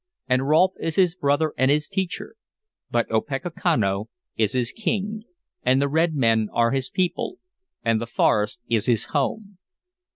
And Rolfe is his brother and his teacher. But Opechancanough is his king, and the red men are his people, and the forest is his home.